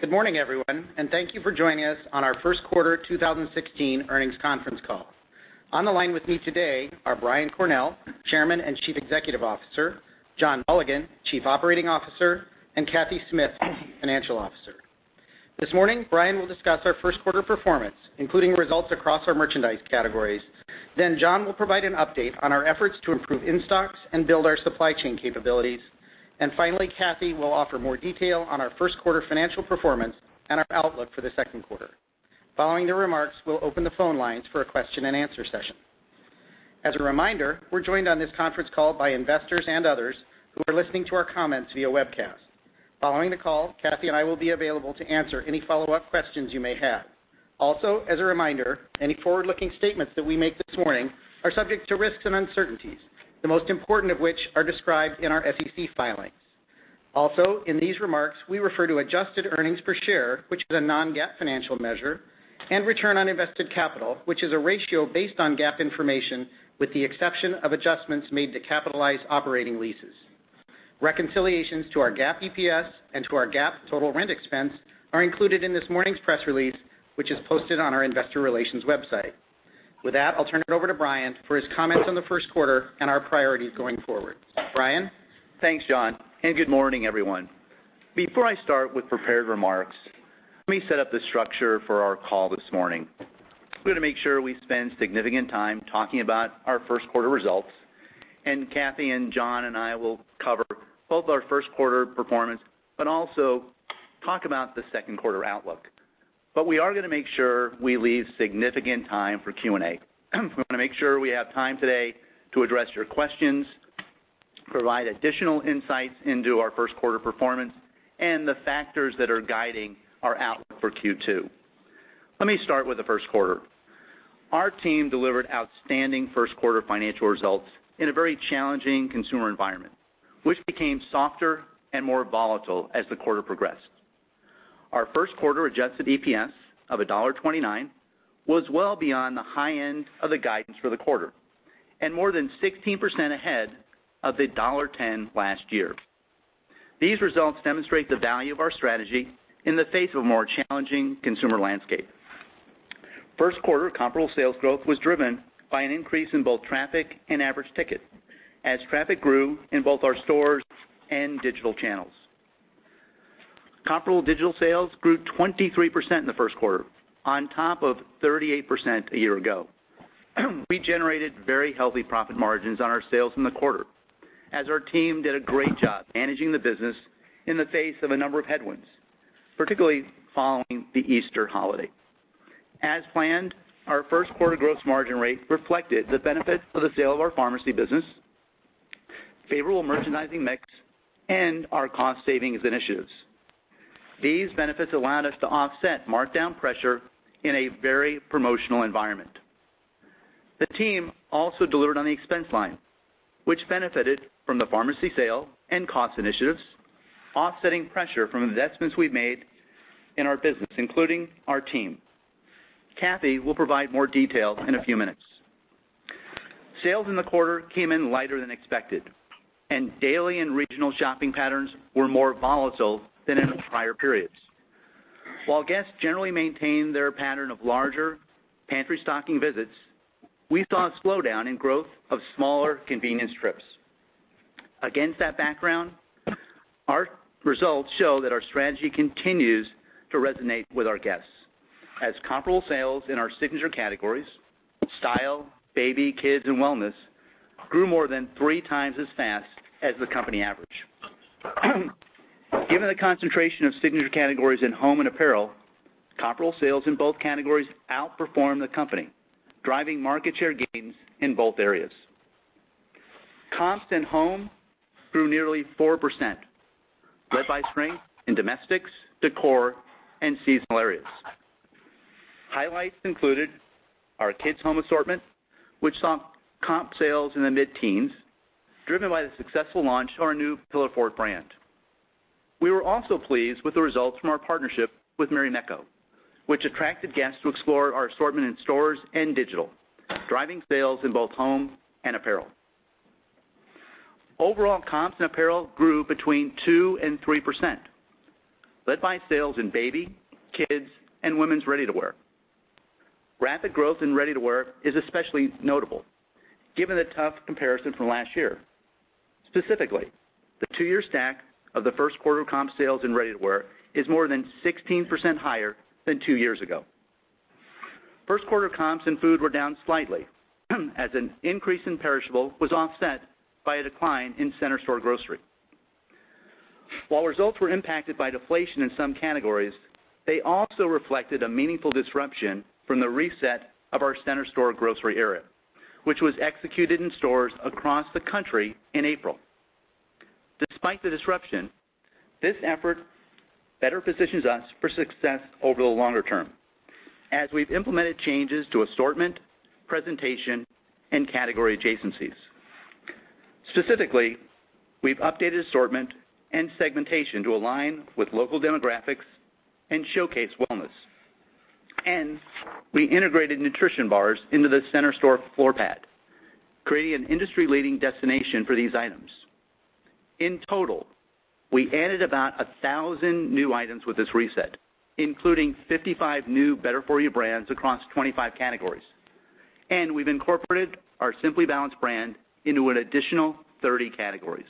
Good morning, everyone, thank you for joining us on our first quarter 2016 earnings conference call. On the line with me today are Brian Cornell, Chairman and Chief Executive Officer, John Mulligan, Chief Operating Officer, and Cathy Smith, Chief Financial Officer. This morning, Brian will discuss our first quarter performance, including results across our merchandise categories. John will provide an update on our efforts to improve in-stocks and build our supply chain capabilities. Finally, Cathy will offer more detail on our first quarter financial performance and our outlook for the second quarter. Following the remarks, we'll open the phone lines for a question and answer session. As a reminder, we're joined on this conference call by investors and others who are listening to our comments via webcast. Following the call, Cathy and I will be available to answer any follow-up questions you may have. As a reminder, any forward-looking statements that we make this morning are subject to risks and uncertainties, the most important of which are described in our SEC filings. In these remarks, we refer to adjusted earnings per share, which is a non-GAAP financial measure, and return on invested capital, which is a ratio based on GAAP information with the exception of adjustments made to capitalized operating leases. Reconciliations to our GAAP EPS and to our GAAP total rent expense are included in this morning's press release, which is posted on our investor relations website. With that, I'll turn it over to Brian for his comments on the first quarter and our priorities going forward. Brian? Thanks, John, good morning, everyone. Before I start with prepared remarks, let me set up the structure for our call this morning. We're going to make sure we spend significant time talking about our first quarter results, Cathy and John and I will cover both our first quarter performance, but also talk about the second quarter outlook. We are going to make sure we leave significant time for Q&A. We want to make sure we have time today to address your questions, provide additional insights into our first quarter performance, and the factors that are guiding our outlook for Q2. Let me start with the first quarter. Our team delivered outstanding first quarter financial results in a very challenging consumer environment, which became softer and more volatile as the quarter progressed. Our first quarter adjusted EPS of $1.29 was well beyond the high end of the guidance for the quarter and more than 16% ahead of the $1.10 last year. These results demonstrate the value of our strategy in the face of a more challenging consumer landscape. First quarter comparable sales growth was driven by an increase in both traffic and average ticket as traffic grew in both our stores and digital channels. Comparable digital sales grew 23% in the first quarter on top of 38% a year ago. We generated very healthy profit margins on our sales in the quarter as our team did a great job managing the business in the face of a number of headwinds, particularly following the Easter holiday. As planned, our first quarter gross margin rate reflected the benefit of the sale of our pharmacy business, favorable merchandising mix, and our cost savings initiatives. These benefits allowed us to offset markdown pressure in a very promotional environment. The team also delivered on the expense line, which benefited from the pharmacy sale and cost initiatives, offsetting pressure from investments we've made in our business, including our team. Cathy will provide more detail in a few minutes. Sales in the quarter came in lighter than expected, and daily and regional shopping patterns were more volatile than in prior periods. While guests generally maintain their pattern of larger pantry stocking visits, we saw a slowdown in growth of smaller convenience trips. Against that background, our results show that our strategy continues to resonate with our guests. As comparable sales in our signature categories, style, baby, kids, and wellness grew more than three times as fast as the company average. Given the concentration of signature categories in home and apparel, comparable sales in both categories outperformed the company, driving market share gains in both areas. Comps in home grew nearly 4%, led by strength in domestics, decor, and seasonal areas. Highlights included our kids home assortment, which saw comp sales in the mid-teens, driven by the successful launch of our new Pillowfort brand. We were also pleased with the results from our partnership with Marimekko, which attracted guests to explore our assortment in stores and digital, driving sales in both home and apparel. Overall comps and apparel grew between 2% and 3%, led by sales in baby, kids, and women's ready-to-wear. Rapid growth in ready-to-wear is especially notable given the tough comparison from last year. Specifically, the two-year stack of the first quarter comp sales in ready-to-wear is more than 16% higher than two years ago. First quarter comps in food were down slightly as an increase in perishable was offset by a decline in center store grocery. While results were impacted by deflation in some categories, they also reflected a meaningful disruption from the reset of our center store grocery area, which was executed in stores across the country in April. Despite the disruption, this effort better positions us for success over the longer term, as we've implemented changes to assortment, presentation, and category adjacencies. Specifically, we've updated assortment and segmentation to align with local demographics and showcase wellness. We integrated nutrition bars into the center store floor pad, creating an industry-leading destination for these items. In total, we added about 1,000 new items with this reset, including 55 new better-for-you brands across 25 categories. We've incorporated our Simply Balanced brand into an additional 30 categories.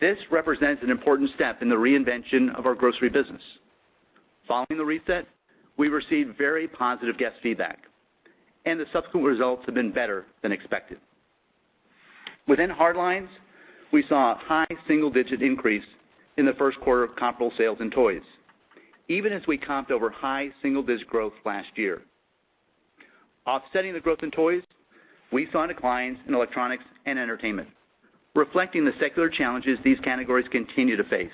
This represents an important step in the reinvention of our grocery business. Following the reset, we received very positive guest feedback. The subsequent results have been better than expected. Within hard lines, we saw a high single-digit increase in the first quarter of comparable sales in toys, even as we comped over high single-digit growth last year. Offsetting the growth in toys, we saw declines in electronics and entertainment, reflecting the secular challenges these categories continue to face.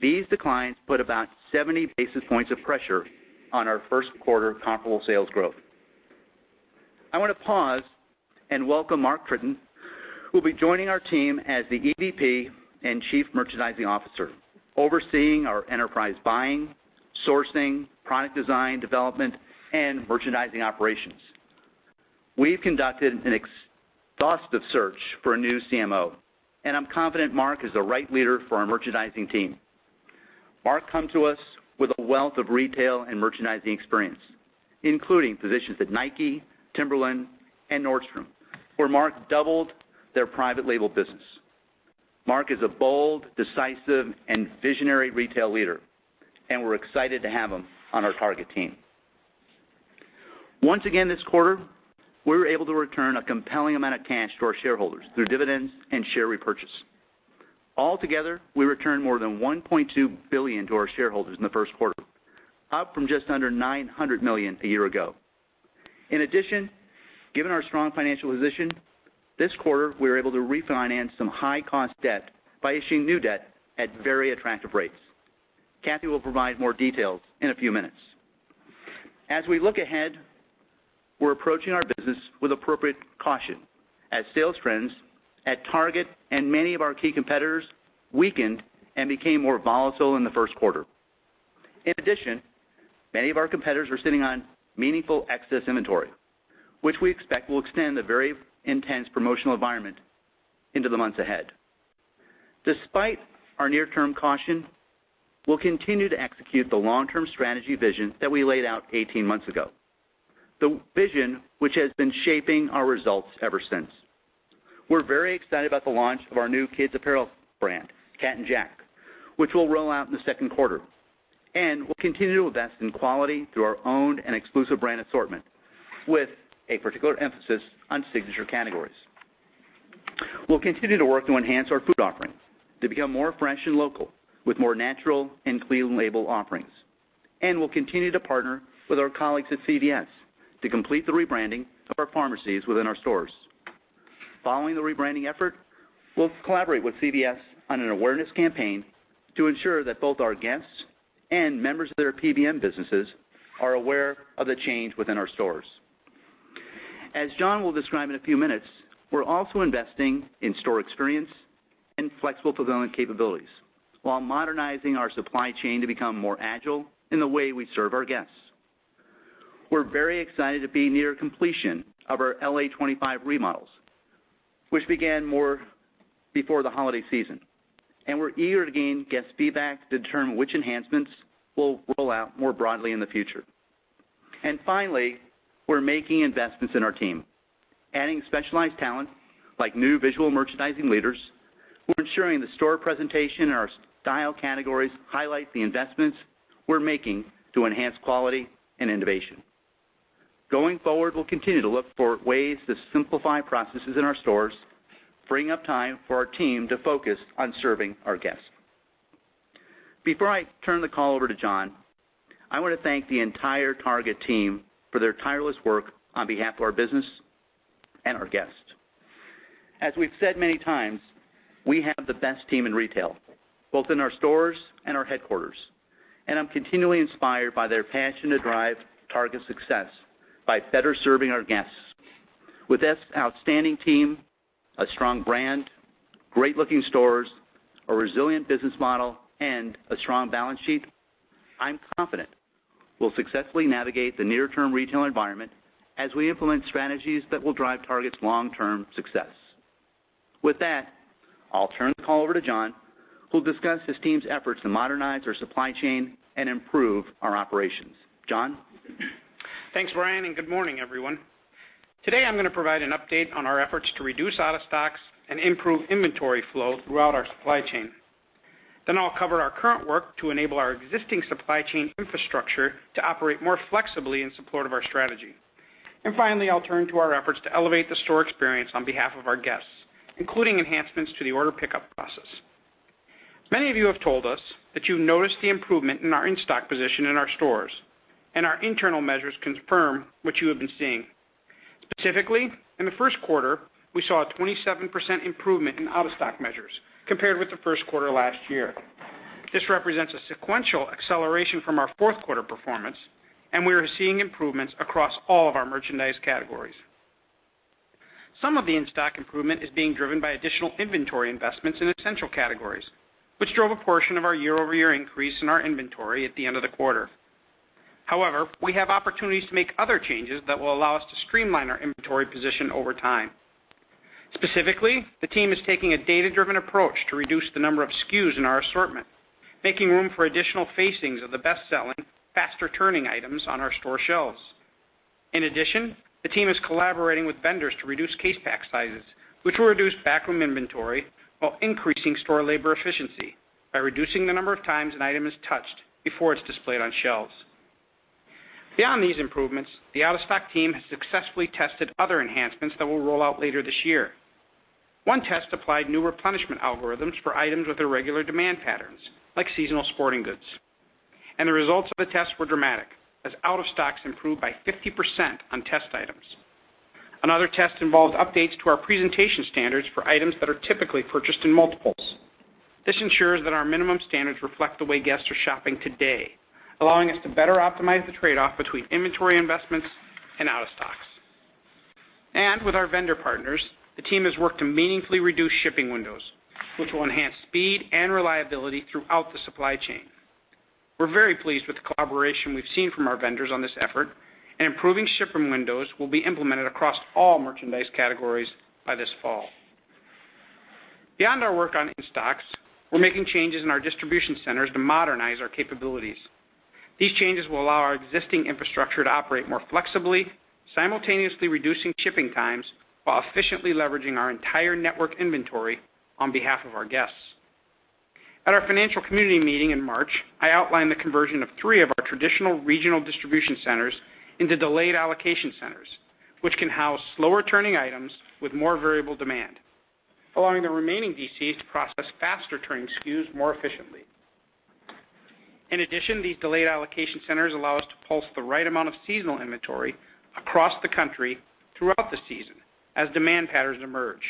These declines put about 70 basis points of pressure on our first quarter comparable sales growth. I want to pause and welcome Mark Tritton, who'll be joining our team as the EVP and Chief Merchandising Officer, overseeing our enterprise buying, sourcing, product design, development, and merchandising operations. We've conducted an exhaustive search for a new CMO. I'm confident Mark is the right leader for our merchandising team. Mark comes to us with a wealth of retail and merchandising experience, including positions at Nike, Timberland, and Nordstrom, where Mark doubled their private label business. Mark is a bold, decisive, and visionary retail leader, and we're excited to have him on our Target team. Once again, this quarter, we were able to return a compelling amount of cash to our shareholders through dividends and share repurchase. All together, we returned more than $1.2 billion to our shareholders in the first quarter, up from just under $900 million a year ago. In addition, given our strong financial position, this quarter, we were able to refinance some high-cost debt by issuing new debt at very attractive rates. Cathy will provide more details in a few minutes. As we look ahead, we're approaching our business with appropriate caution as sales trends at Target and many of our key competitors weakened and became more volatile in the first quarter. In addition, many of our competitors are sitting on meaningful excess inventory, which we expect will extend the very intense promotional environment into the months ahead. Despite our near-term caution, we'll continue to execute the long-term strategy vision that we laid out 18 months ago, the vision which has been shaping our results ever since. We're very excited about the launch of our new kids apparel brand, Cat & Jack, which we'll roll out in the second quarter. We'll continue to invest in quality through our own and exclusive brand assortment, with a particular emphasis on signature categories. We'll continue to work to enhance our food offerings to become more fresh and local, with more natural and clean label offerings. We'll continue to partner with our colleagues at CVS to complete the rebranding of our pharmacies within our stores. Following the rebranding effort, we'll collaborate with CVS on an awareness campaign to ensure that both our guests and members of their PBM businesses are aware of the change within our stores. As John will describe in a few minutes, we're also investing in store experience and flexible fulfillment capabilities while modernizing our supply chain to become more agile in the way we serve our guests. We're very excited to be near completion of our LA25 remodels, which began more before the holiday season, and we're eager to gain guest feedback to determine which enhancements we'll roll out more broadly in the future. Finally, we're making investments in our team. Adding specialized talent like new visual merchandising leaders, we're ensuring the store presentation and our style categories highlight the investments we're making to enhance quality and innovation. Going forward, we'll continue to look for ways to simplify processes in our stores, freeing up time for our team to focus on serving our guests. Before I turn the call over to John, I want to thank the entire Target team for their tireless work on behalf of our business and our guests. As we've said many times, we have the best team in retail, both in our stores and our headquarters, and I'm continually inspired by their passion to drive Target's success by better serving our guests. With this outstanding team, a strong brand, great-looking stores, a resilient business model, and a strong balance sheet, I'm confident we'll successfully navigate the near-term retail environment as we implement strategies that will drive Target's long-term success. With that, I'll turn the call over to John, who'll discuss his team's efforts to modernize our supply chain and improve our operations. John? Thanks, Brian, and good morning, everyone. Today, I'm going to provide an update on our efforts to reduce out-of-stocks and improve inventory flow throughout our supply chain. I'll cover our current work to enable our existing supply chain infrastructure to operate more flexibly in support of our strategy. Finally, I'll turn to our efforts to elevate the store experience on behalf of our guests, including enhancements to the order pickup process. Many of you have told us that you've noticed the improvement in our in-stock position in our stores, and our internal measures confirm what you have been seeing. Specifically, in the first quarter, we saw a 27% improvement in out-of-stock measures compared with the first quarter last year. This represents a sequential acceleration from our fourth quarter performance, we are seeing improvements across all of our merchandise categories. Some of the in-stock improvement is being driven by additional inventory investments in essential categories, which drove a portion of our year-over-year increase in our inventory at the end of the quarter. However, we have opportunities to make other changes that will allow us to streamline our inventory position over time. Specifically, the team is taking a data-driven approach to reduce the number of SKUs in our assortment, making room for additional facings of the best-selling, faster-turning items on our store shelves. In addition, the team is collaborating with vendors to reduce case pack sizes, which will reduce backroom inventory while increasing store labor efficiency by reducing the number of times an item is touched before it's displayed on shelves. Beyond these improvements, the out-of-stock team has successfully tested other enhancements that will roll out later this year. One test applied new replenishment algorithms for items with irregular demand patterns, like seasonal sporting goods. The results of the test were dramatic, as out of stocks improved by 50% on test items. Another test involved updates to our presentation standards for items that are typically purchased in multiples. This ensures that our minimum standards reflect the way guests are shopping today, allowing us to better optimize the trade-off between inventory investments and out of stocks. With our vendor partners, the team has worked to meaningfully reduce shipping windows, which will enhance speed and reliability throughout the supply chain. We're very pleased with the collaboration we've seen from our vendors on this effort, improving ship from windows will be implemented across all merchandise categories by this fall. Beyond our work on in-stocks, we're making changes in our distribution centers to modernize our capabilities. These changes will allow our existing infrastructure to operate more flexibly, simultaneously reducing shipping times while efficiently leveraging our entire network inventory on behalf of our guests. At our financial community meeting in March, I outlined the conversion of three of our traditional regional distribution centers into delayed allocation centers, which can house slower-turning items with more variable demand, allowing the remaining DCs to process faster-turning SKUs more efficiently. In addition, these delayed allocation centers allow us to pulse the right amount of seasonal inventory across the country throughout the season as demand patterns emerge,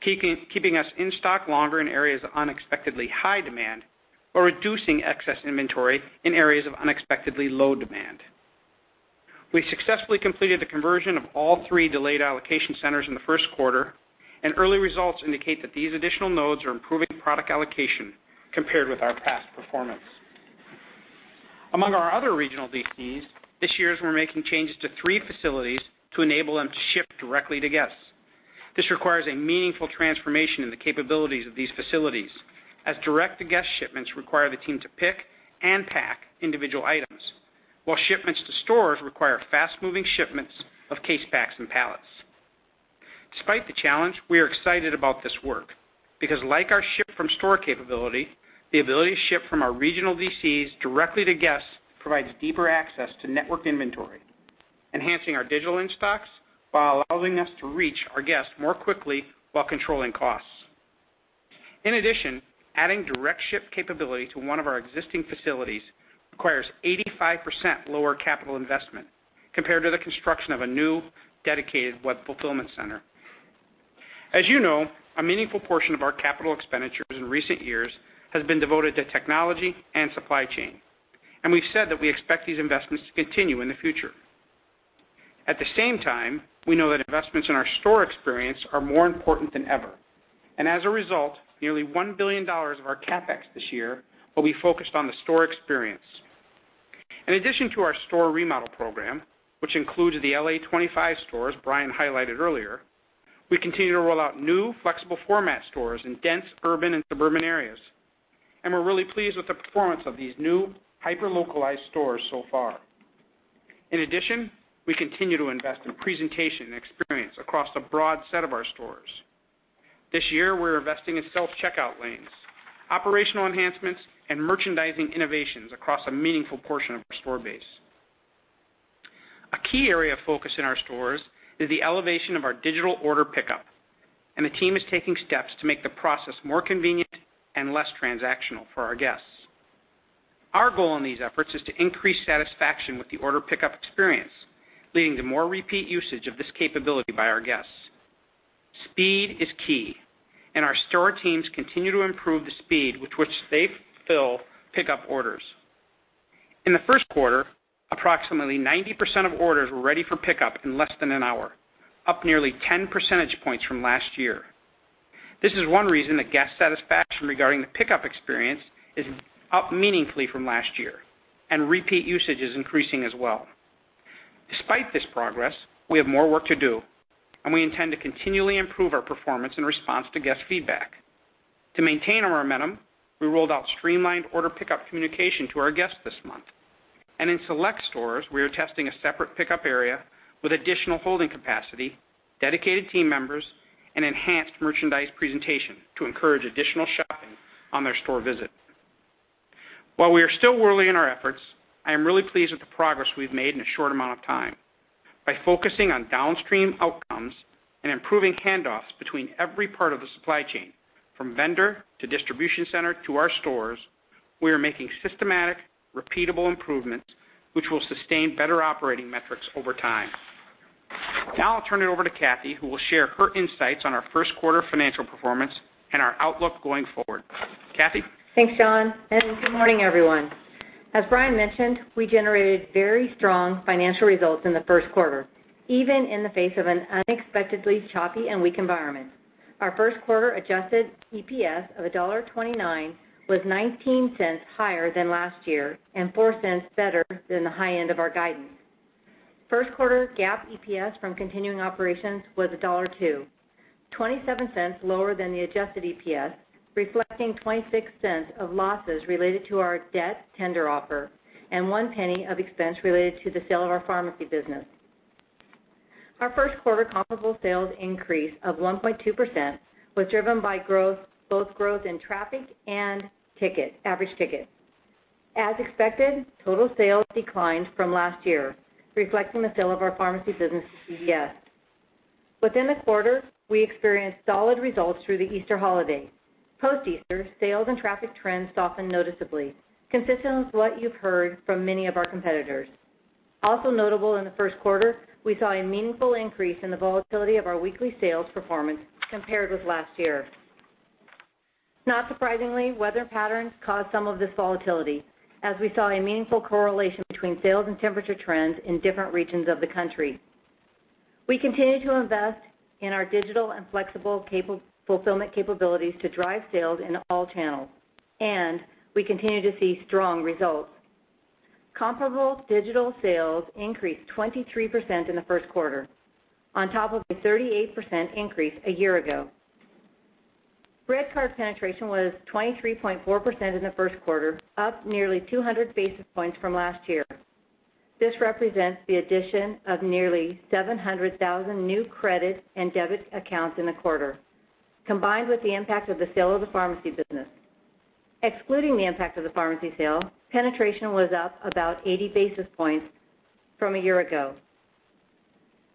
keeping us in stock longer in areas of unexpectedly high demand or reducing excess inventory in areas of unexpectedly low demand. We successfully completed the conversion of all three delayed allocation centers in the first quarter, and early results indicate that these additional nodes are improving product allocation compared with our past performance. Among our other regional DCs, this year we're making changes to three facilities to enable them to ship directly to guests. This requires a meaningful transformation in the capabilities of these facilities, as direct-to-guest shipments require the team to pick and pack individual items, while shipments to stores require fast-moving shipments of case packs and pallets. Despite the challenge, we are excited about this work, because like our ship-from-store capability, the ability to ship from our regional DCs directly to guests provides deeper access to network inventory, enhancing our digital in-stocks while allowing us to reach our guests more quickly while controlling costs. Adding direct ship capability to one of our existing facilities requires 85% lower capital investment compared to the construction of a new, dedicated web fulfillment center. As you know, a meaningful portion of our capital expenditures in recent years has been devoted to technology and supply chain. We've said that we expect these investments to continue in the future. At the same time, we know that investments in our store experience are more important than ever. As a result, nearly $1 billion of our CapEx this year will be focused on the store experience. In addition to our store remodel program, which includes the LA25 stores Brian highlighted earlier, we continue to roll out new flexible format stores in dense urban and suburban areas. We're really pleased with the performance of these new hyper-localized stores so far. We continue to invest in presentation and experience across a broad set of our stores. This year, we're investing in self-checkout lanes, operational enhancements, and merchandising innovations across a meaningful portion of our store base. A key area of focus in our stores is the elevation of our digital order pickup, the team is taking steps to make the process more convenient and less transactional for our guests. Our goal in these efforts is to increase satisfaction with the order pickup experience, leading to more repeat usage of this capability by our guests. Speed is key, our store teams continue to improve the speed with which they fulfill pickup orders. In the first quarter, approximately 90% of orders were ready for pickup in less than an hour, up nearly 10 percentage points from last year. This is one reason that guest satisfaction regarding the pickup experience is up meaningfully from last year, repeat usage is increasing as well. Despite this progress, we have more work to do, and we intend to continually improve our performance in response to guest feedback. To maintain our momentum, we rolled out streamlined order pickup communication to our guests this month. In select stores, we are testing a separate pickup area with additional holding capacity, dedicated team members, and enhanced merchandise presentation to encourage additional shopping on their store visit. While we are still early in our efforts, I am really pleased with the progress we've made in a short amount of time. By focusing on downstream outcomes and improving handoffs between every part of the supply chain, from vendor to distribution center to our stores, we are making systematic, repeatable improvements which will sustain better operating metrics over time. Now I'll turn it over to Cathy, who will share her insights on our first quarter financial performance and our outlook going forward. Cathy? Thanks, John, good morning, everyone. As Brian mentioned, we generated very strong financial results in the first quarter, even in the face of an unexpectedly choppy and weak environment. Our first quarter adjusted EPS of $1.29 was $0.19 higher than last year and $0.04 better than the high end of our guidance. First quarter GAAP EPS from continuing operations was $1.02, $0.27 lower than the adjusted EPS, reflecting $0.26 of losses related to our debt tender offer and one penny of expense related to the sale of our pharmacy business. Our first quarter comparable sales increase of 1.2% was driven by both growth in traffic and average ticket. As expected, total sales declined from last year, reflecting the sale of our pharmacy business to CVS. Within the quarter, we experienced solid results through the Easter holiday. Post-Easter, sales and traffic trends softened noticeably, consistent with what you've heard from many of our competitors. Also notable in the first quarter, we saw a meaningful increase in the volatility of our weekly sales performance compared with last year. Not surprisingly, weather patterns caused some of this volatility, as we saw a meaningful correlation between sales and temperature trends in different regions of the country. We continue to invest in our digital and flexible fulfillment capabilities to drive sales in all channels, and we continue to see strong results. Comparable digital sales increased 23% in the first quarter, on top of a 38% increase a year ago. RedCard penetration was 23.4% in the first quarter, up nearly 200 basis points from last year. This represents the addition of nearly 700,000 new credit and debit accounts in the quarter, combined with the impact of the sale of the pharmacy business. Excluding the impact of the pharmacy sale, penetration was up about 80 basis points from a year ago.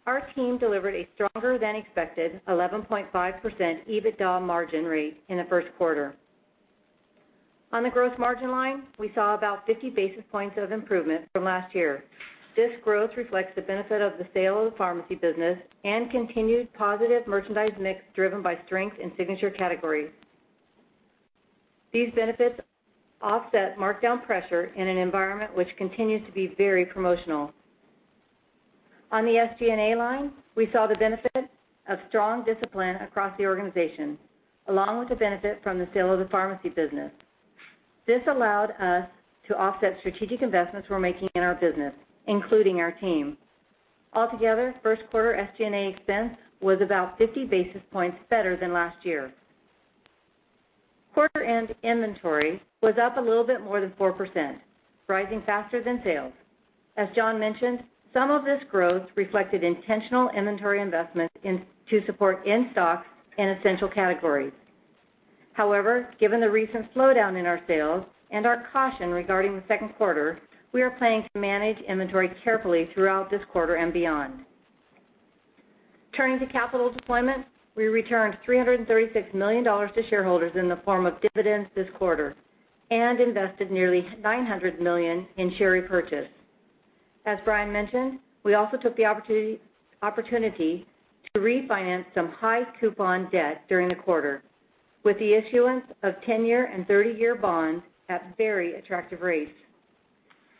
Our team delivered a stronger-than-expected 11.5% EBITDA margin rate in the first quarter. On the gross margin line, we saw about 50 basis points of improvement from last year. This growth reflects the benefit of the sale of the pharmacy business and continued positive merchandise mix driven by strength in signature categories. These benefits offset markdown pressure in an environment which continues to be very promotional. On the SG&A line, we saw the benefit of strong discipline across the organization, along with the benefit from the sale of the pharmacy business. This allowed us to offset strategic investments we're making in our business, including our team. Altogether, first quarter SG&A expense was about 50 basis points better than last year. Quarter end inventory was up a little bit more than 4%, rising faster than sales. As John mentioned, some of this growth reflected intentional inventory investments to support in-stocks in essential categories. However, given the recent slowdown in our sales and our caution regarding the second quarter, we are planning to manage inventory carefully throughout this quarter and beyond. Turning to capital deployment, we returned $336 million to shareholders in the form of dividends this quarter and invested nearly $900 million in share repurchase. As Brian mentioned, we also took the opportunity to refinance some high-coupon debt during the quarter with the issuance of 10-year and 30-year bonds at very attractive rates.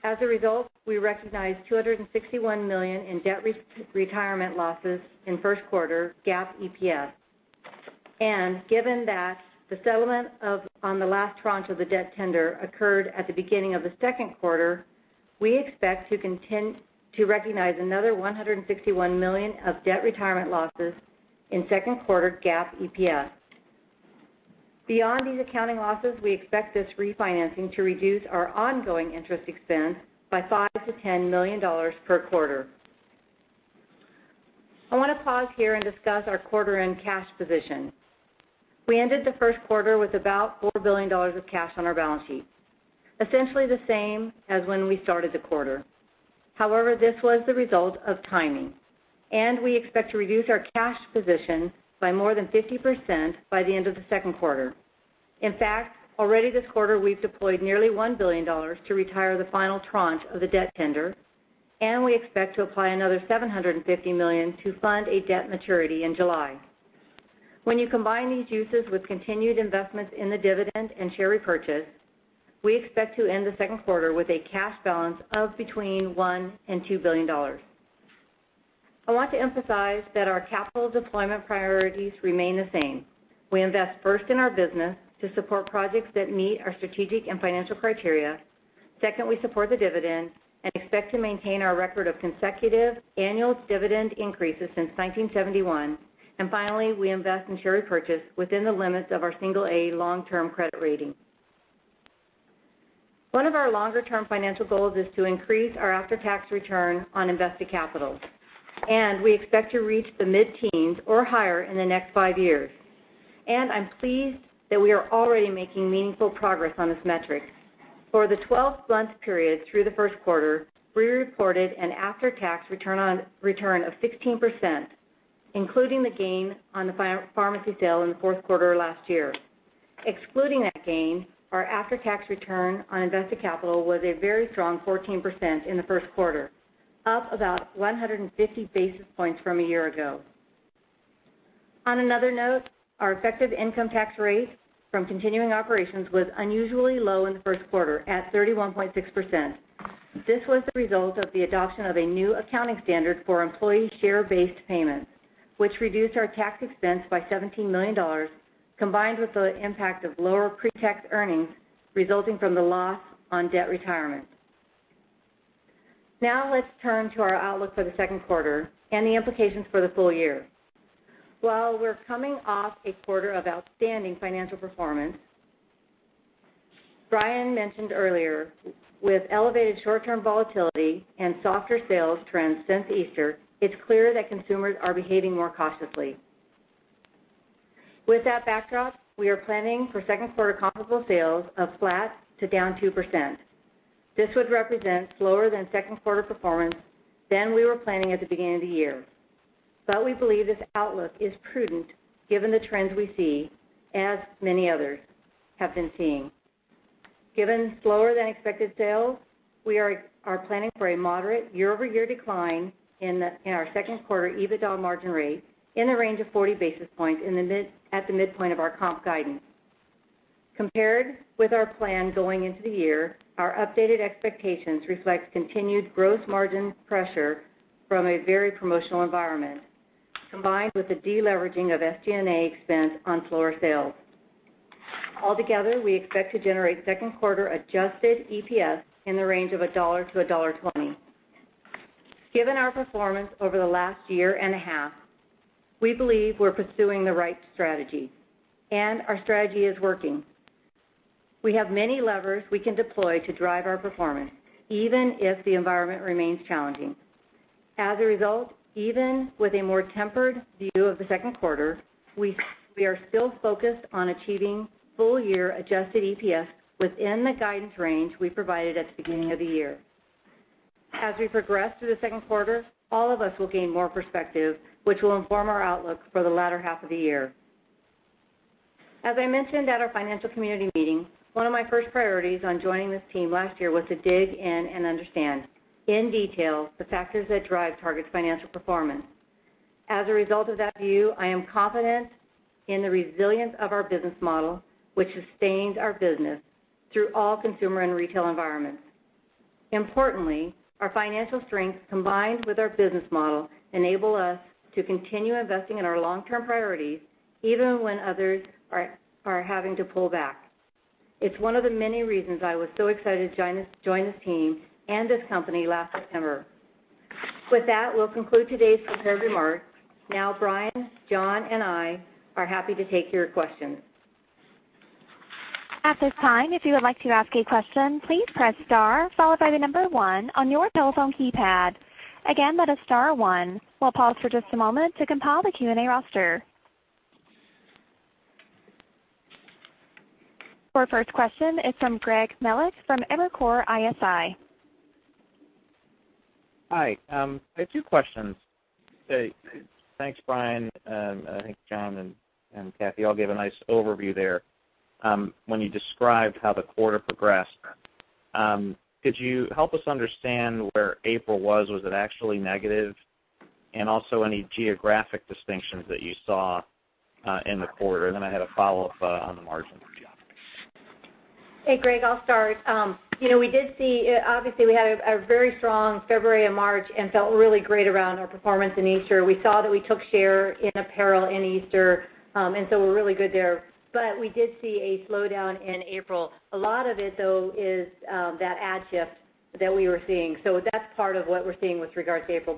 As a result, we recognized $261 million in debt retirement losses in first quarter GAAP EPS. Given that the settlement on the last tranche of the debt tender occurred at the beginning of the second quarter, we expect to recognize another $161 million of debt retirement losses in second quarter GAAP EPS. Beyond these accounting losses, we expect this refinancing to reduce our ongoing interest expense by $5 million to $10 million per quarter. I want to pause here and discuss our quarter-end cash position. We ended the first quarter with about $4 billion of cash on our balance sheet, essentially the same as when we started the quarter. However, this was the result of timing, and we expect to reduce our cash position by more than 50% by the end of the second quarter. In fact, already this quarter, we've deployed nearly $1 billion to retire the final tranche of the debt tender, and we expect to apply another $750 million to fund a debt maturity in July. When you combine these uses with continued investments in the dividend and share repurchase, we expect to end the second quarter with a cash balance of between $1 billion and $2 billion. I want to emphasize that our capital deployment priorities remain the same. We invest first in our business to support projects that meet our strategic and financial criteria. Second, we support the dividend and expect to maintain our record of consecutive annual dividend increases since 1971. Finally, we invest in share repurchase within the limits of our single A long-term credit rating. One of our longer-term financial goals is to increase our after-tax return on invested capital, we expect to reach the mid-teens or higher in the next five years. I'm pleased that we are already making meaningful progress on this metric. For the 12-month period through the first quarter, we reported an after-tax return of 16%, including the gain on the pharmacy sale in the fourth quarter last year. Excluding that gain, our after-tax return on invested capital was a very strong 14% in the first quarter, up about 150 basis points from a year ago. On another note, our effective income tax rate from continuing operations was unusually low in the first quarter at 31.6%. This was the result of the adoption of a new accounting standard for employee share-based payments, which reduced our tax expense by $17 million, combined with the impact of lower pre-tax earnings resulting from the loss on debt retirement. Let's turn to our outlook for the second quarter and the implications for the full year. While we're coming off a quarter of outstanding financial performance, Brian mentioned earlier, with elevated short-term volatility and softer sales trends since Easter, it's clear that consumers are behaving more cautiously. With that backdrop, we are planning for second quarter comparable sales of flat to down 2%. This would represent slower than second quarter performance than we were planning at the beginning of the year. We believe this outlook is prudent given the trends we see, as many others have been seeing. Given slower than expected sales, we are planning for a moderate year-over-year decline in our second quarter EBITDA margin rate in the range of 40 basis points at the midpoint of our comp guidance. Compared with our plan going into the year, our updated expectations reflect continued gross margin pressure from a very promotional environment, combined with the de-leveraging of SG&A expense on slower sales. Altogether, we expect to generate second quarter adjusted EPS in the range of $1 to $1.20. Given our performance over the last year and a half, we believe we're pursuing the right strategy. Our strategy is working. We have many levers we can deploy to drive our performance, even if the environment remains challenging. As a result, even with a more tempered view of the second quarter, we are still focused on achieving full-year adjusted EPS within the guidance range we provided at the beginning of the year. As we progress through the second quarter, all of us will gain more perspective, which will inform our outlook for the latter half of the year. As I mentioned at our financial community meeting, one of my first priorities on joining this team last year was to dig in and understand, in detail, the factors that drive Target's financial performance. As a result of that view, I am confident in the resilience of our business model, which sustains our business through all consumer and retail environments. Importantly, our financial strength, combined with our business model, enable us to continue investing in our long-term priorities, even when others are having to pull back. It's one of the many reasons I was so excited to join this team and this company last September. With that, we'll conclude today's prepared remarks. Brian, John, and I are happy to take your questions. At this time, if you would like to ask a question, please press star followed by the number 1 on your telephone keypad. Again, that is star 1. We'll pause for just a moment to compile the Q&A roster. Our first question is from Greg Melich from Evercore ISI. Hi. I have two questions. Thanks, Brian, I think John and Cathy all gave a nice overview there when you described how the quarter progressed. Could you help us understand where April was? Was it actually negative? Also any geographic distinctions that you saw in the quarter, then I had a follow-up on the margins. Hey, Greg, I'll start. Obviously, we had a very strong February and March and felt really great around our performance in Easter. We saw that we took share in apparel in Easter, so we're really good there. We did see a slowdown in April. A lot of it, though, is that ad shift that we were seeing. That's part of what we're seeing with regards to April.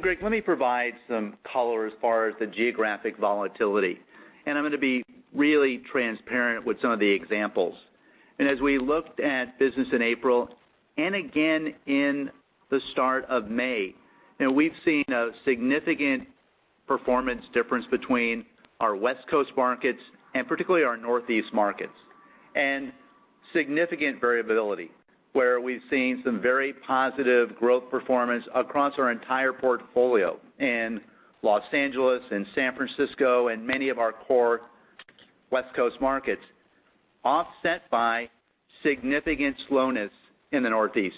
Greg, let me provide some color as far as the geographic volatility. I'm going to be really transparent with some of the examples. As we looked at business in April and again in the start of May, we've seen a significant performance difference between our West Coast markets and particularly our Northeast markets, and significant variability, where we've seen some very positive growth performance across our entire portfolio in Los Angeles and San Francisco and many of our core West Coast markets, offset by significant slowness in the Northeast,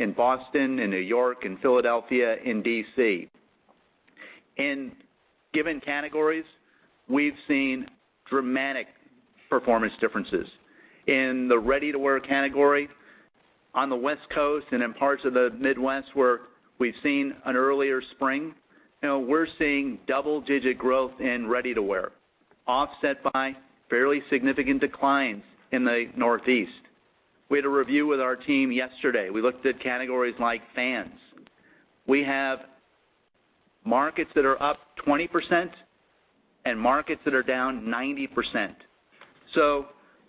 in Boston, in New York, in Philadelphia, in D.C. In given categories, we've seen dramatic performance differences. In the ready-to-wear category on the West Coast and in parts of the Midwest, where we've seen an earlier spring, we're seeing double-digit growth in ready-to-wear, offset by fairly significant declines in the Northeast. We had a review with our team yesterday. We looked at categories like fans. We have markets that are up 20% and markets that are down 90%.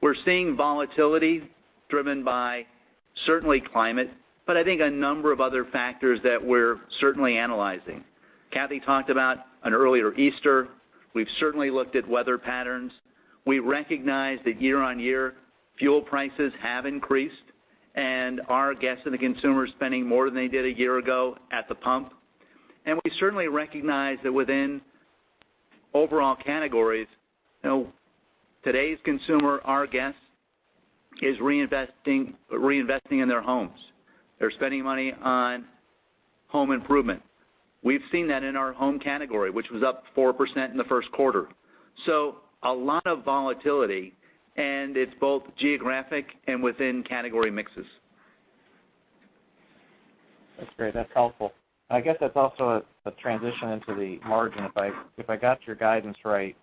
We're seeing volatility driven by certainly climate, but I think a number of other factors that we're certainly analyzing. Cathy talked about an earlier Easter. We've certainly looked at weather patterns. We recognize that year-on-year, fuel prices have increased, and our guests and the consumers are spending more than they did a year ago at the pump. We certainly recognize that within overall categories, today's consumer, our guest, is reinvesting in their homes. They're spending money on Home improvement. We've seen that in our home category, which was up 4% in the first quarter. A lot of volatility, and it's both geographic and within category mixes. That's great. That's helpful. I guess that's also a transition into the margin. If I got your guidance right,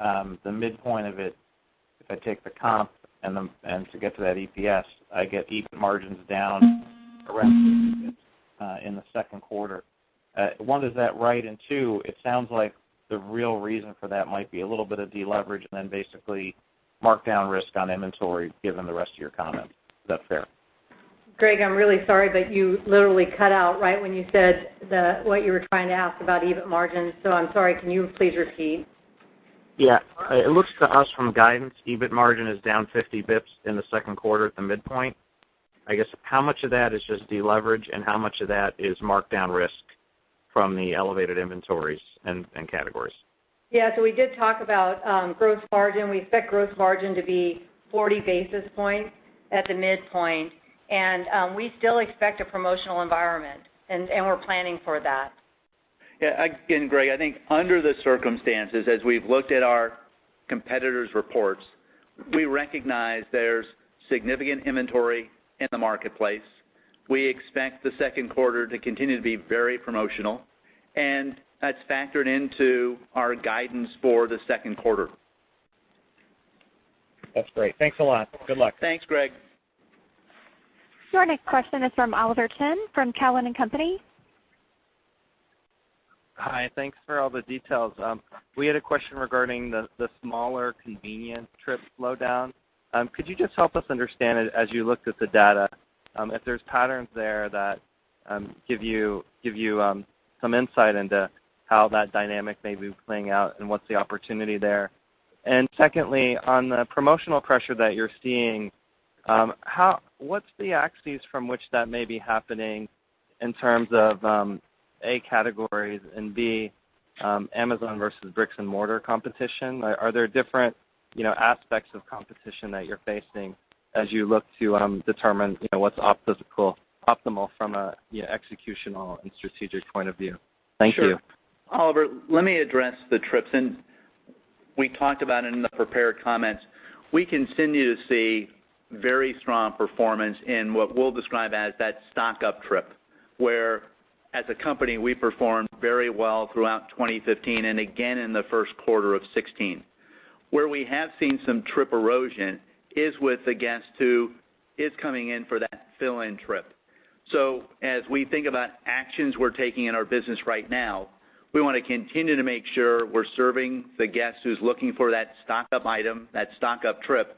the midpoint of it, if I take the comp and to get to that EPS, I get EBIT margins down around in the second quarter. One, is that right? Two, it sounds like the real reason for that might be a little bit of deleverage and then basically markdown risk on inventory, given the rest of your comments. Is that fair? Greg, I'm really sorry, you literally cut out right when you said what you were trying to ask about EBIT margins. I'm sorry, can you please repeat? Yeah. It looks to us from guidance, EBIT margin is down 50 basis points in the second quarter at the midpoint. I guess, how much of that is just deleverage and how much of that is markdown risk from the elevated inventories and categories? Yeah, we did talk about gross margin. We expect gross margin to be 40 basis points at the midpoint, and we still expect a promotional environment, and we're planning for that. Yeah. Again, Greg, I think under the circumstances, as we've looked at our competitors' reports, we recognize there's significant inventory in the marketplace. We expect the second quarter to continue to be very promotional, and that's factored into our guidance for the second quarter. That's great. Thanks a lot. Good luck. Thanks, Greg. Your next question is from Oliver Chen from Cowen and Company. Hi. Thanks for all the details. We had a question regarding the smaller convenience trip slowdown. Could you just help us understand it as you looked at the data, if there's patterns there that give you some insight into how that dynamic may be playing out and what's the opportunity there? Secondly, on the promotional pressure that you're seeing, what's the axes from which that may be happening in terms of, A, categories and B, Amazon versus bricks and mortar competition? Are there different aspects of competition that you're facing as you look to determine what's optimal from an executional and strategic point of view? Thank you. Sure. Oliver, let me address the trips, and we talked about it in the prepared comments. We continue to see very strong performance in what we'll describe as that stock-up trip, where as a company, we performed very well throughout 2015 and again in the first quarter of 2016. Where we have seen some trip erosion is with the guest who is coming in for that fill-in trip. As we think about actions we're taking in our business right now, we want to continue to make sure we're serving the guest who's looking for that stock-up item, that stock-up trip,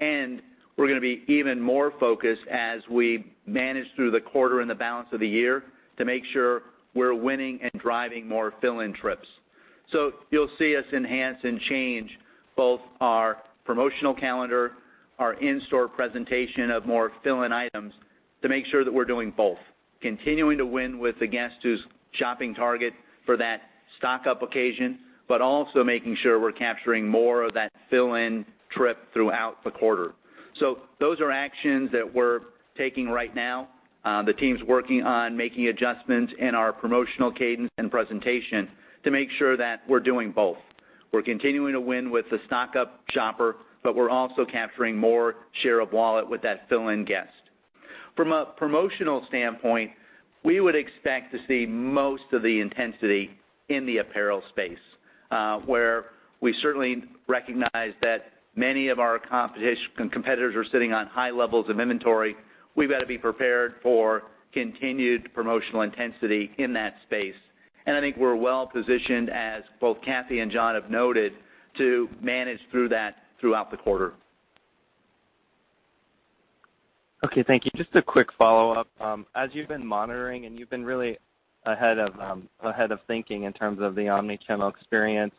and we're going to be even more focused as we manage through the quarter and the balance of the year to make sure we're winning and driving more fill-in trips. You'll see us enhance and change both our promotional calendar, our in-store presentation of more fill-in items to make sure that we're doing both, continuing to win with the guest who's shopping Target for that stock-up occasion, but also making sure we're capturing more of that fill-in trip throughout the quarter. Those are actions that we're taking right now. The team's working on making adjustments in our promotional cadence and presentation to make sure that we're doing both. We're continuing to win with the stock-up shopper, but we're also capturing more share of wallet with that fill-in guest. From a promotional standpoint, we would expect to see most of the intensity in the apparel space, where we certainly recognize that many of our competitors are sitting on high levels of inventory. We've got to be prepared for continued promotional intensity in that space. I think we're well-positioned, as both Cathy and John have noted, to manage through that throughout the quarter. Okay, thank you. Just a quick follow-up. As you've been monitoring and you've been really ahead of thinking in terms of the omni-channel experience,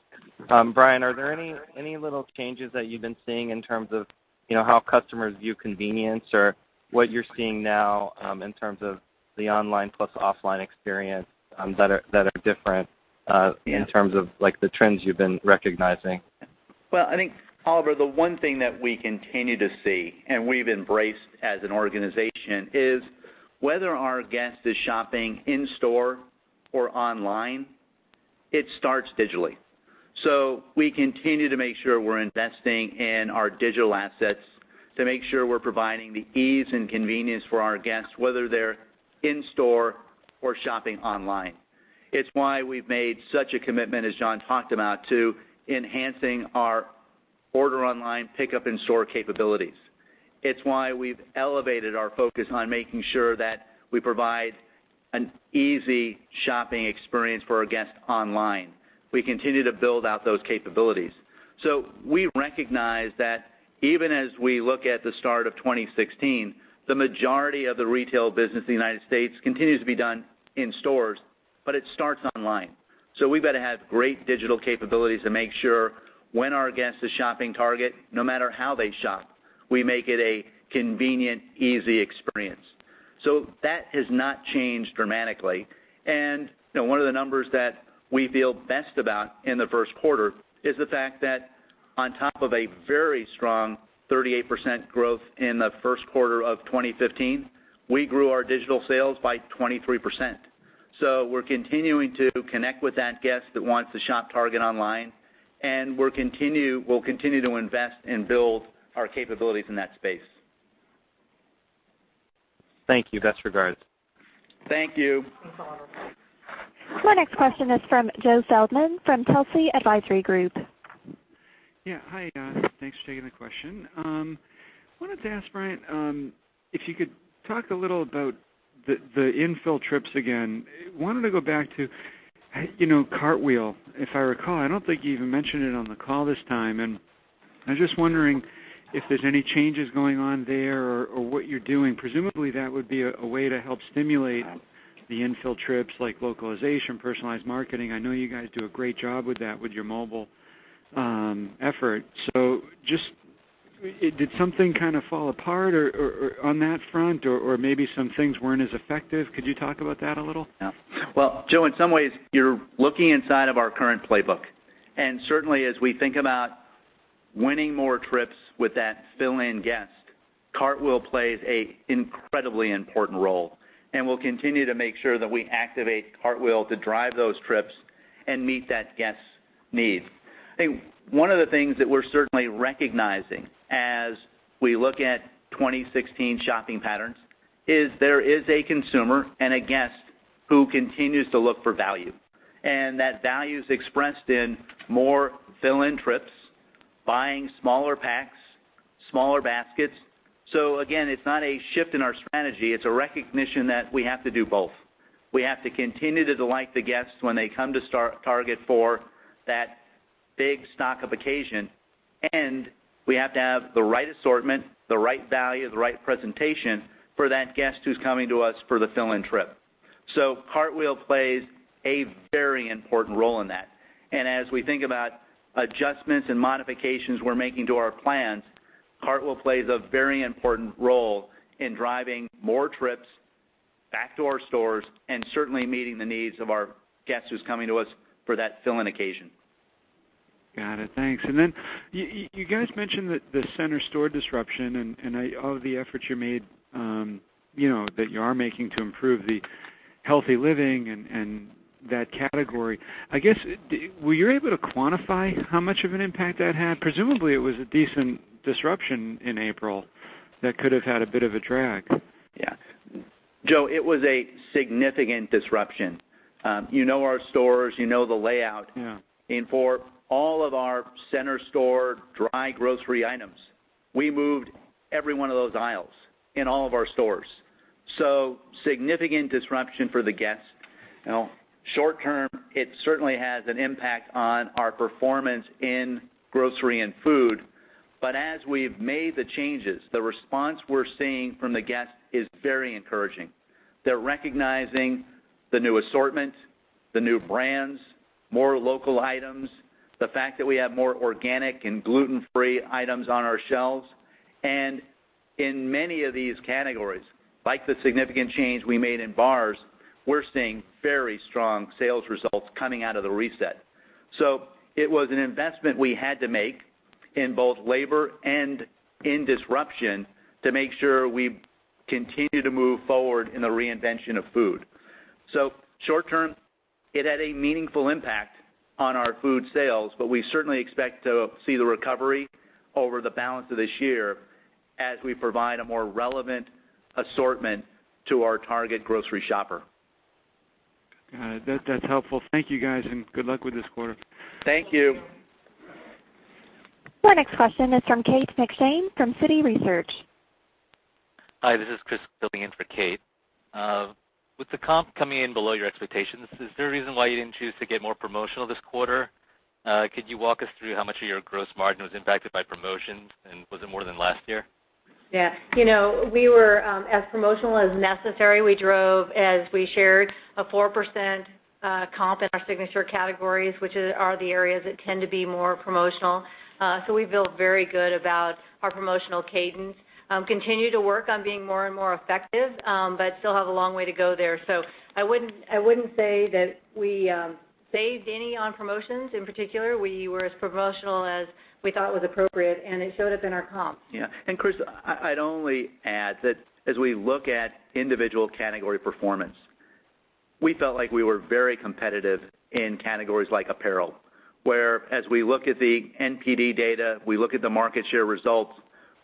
Brian, are there any little changes that you've been seeing in terms of how customers view convenience or what you're seeing now in terms of the online plus offline experience that are different in terms of the trends you've been recognizing? Well, I think, Oliver, the one thing that we continue to see, and we've embraced as an organization, is whether our guest is shopping in store or online, it starts digitally. We continue to make sure we're investing in our digital assets to make sure we're providing the ease and convenience for our guests, whether they're in store or shopping online. It's why we've made such a commitment, as John talked about, to enhancing our order online pickup in-store capabilities. It's why we've elevated our focus on making sure that we provide an easy shopping experience for our guests online. We continue to build out those capabilities. We recognize that even as we look at the start of 2016, the majority of the retail business in the United States continues to be done in stores, but it starts online. We've got to have great digital capabilities to make sure when our guest is shopping Target, no matter how they shop, we make it a convenient, easy experience. That has not changed dramatically. One of the numbers that we feel best about in the first quarter is the fact that on top of a very strong 38% growth in the first quarter of 2015, we grew our digital sales by 23%. We're continuing to connect with that guest that wants to shop Target online, and we'll continue to invest and build our capabilities in that space. Thank you. Best regards. Thank you. Thanks a lot. Our next question is from Joe Feldman from Telsey Advisory Group. Yeah. Hi. Thanks for taking the question. Wanted to ask Brian, if you could talk a little about the infill trips again. Wanted to go back to Cartwheel. If I recall, I don't think you even mentioned it on the call this time, I'm just wondering if there's any changes going on there or what you're doing. Presumably, that would be a way to help stimulate the infill trips like localization, personalized marketing. I know you guys do a great job with that with your mobile effort. Did something kind of fall apart on that front, or maybe some things weren't as effective? Could you talk about that a little? Well, Joe, in some ways, you're looking inside of our current playbook. Certainly, as we think about winning more trips with that fill-in guest, Cartwheel plays a incredibly important role, we'll continue to make sure that we activate Cartwheel to drive those trips and meet that guest's needs. One of the things that we're certainly recognizing as we look at 2016 shopping patterns is there is a consumer and a guest who continues to look for value, and that value is expressed in more fill-in trips, buying smaller packs, smaller baskets. Again, it's not a shift in our strategy. It's a recognition that we have to do both. We have to continue to delight the guests when they come to start at Target for that big stock-up occasion, and we have to have the right assortment, the right value, the right presentation for that guest who's coming to us for the fill-in trip. Cartwheel plays a very important role in that. As we think about adjustments and modifications we're making to our plans, Cartwheel plays a very important role in driving more trips back to our stores and certainly meeting the needs of our guest who's coming to us for that fill-in occasion. Got it. Thanks. You guys mentioned that the center store disruption and all of the efforts you made, that you are making to improve the healthy living and that category. I guess, were you able to quantify how much of an impact that had? Presumably, it was a decent disruption in April that could have had a bit of a drag. Yeah. Joe, it was a significant disruption. You know our stores, you know the layout. Yeah. For all of our center store dry grocery items, we moved every one of those aisles in all of our stores. Significant disruption for the guests. Now, short-term, it certainly has an impact on our performance in grocery and food. As we've made the changes, the response we're seeing from the guests is very encouraging. They're recognizing the new assortment, the new brands, more local items, the fact that we have more organic and gluten-free items on our shelves. In many of these categories, like the significant change we made in bars, we're seeing very strong sales results coming out of the reset. It was an investment we had to make in both labor and in disruption to make sure we continue to move forward in the reinvention of food. Short-term, it had a meaningful impact on our food sales, but we certainly expect to see the recovery over the balance of this year as we provide a more relevant assortment to our Target grocery shopper. Got it. That's helpful. Thank you, guys, and good luck with this quarter. Thank you. Our next question is from Kate McShane from Citi Research. Hi, this is Chris filling in for Kate. With the comp coming in below your expectations, is there a reason why you didn't choose to get more promotional this quarter? Could you walk us through how much of your gross margin was impacted by promotions, and was it more than last year? Yeah. We were as promotional as necessary. We drove, as we shared, a 4% comp in our signature categories, which are the areas that tend to be more promotional. We feel very good about our promotional cadence. Continue to work on being more and more effective, still have a long way to go there. I wouldn't say that we saved any on promotions in particular. We were as promotional as we thought was appropriate, it showed up in our comps. Yeah. Chris, I'd only add that as we look at individual category performance, we felt like we were very competitive in categories like apparel, where as we look at the NPD data, we look at the market share results,